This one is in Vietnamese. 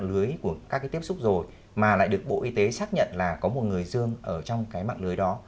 một cái mạng lưới của các cái tiếp xúc rồi mà lại được bộ y tế xác nhận là có một người dương ở trong cái mạng lưới đó